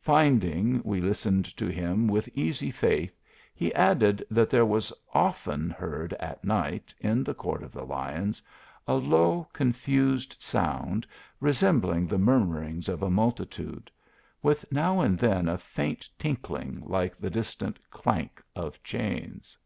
Finding we listened to him with easy faith, he added, that there was often heard at night, in the Court of the Lions, a low confused sound, resembling the murmurings of a multitude ; with now and then a faint tinkling, like the distant clank of chains.